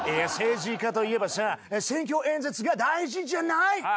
政治家といえばさ選挙演説が大事じゃない。